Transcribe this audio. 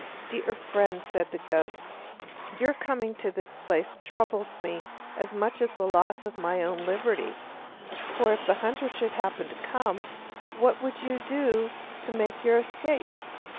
"Dear friend," said the goat, "your coming to this place troubles me as much as the loss of my own liberty; for if the hunter should happen to come, what would you do to make your escape?